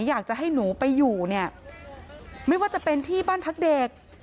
อยากจะให้หนูไปอยู่เนี่ยไม่ว่าจะเป็นที่บ้านพักเด็ก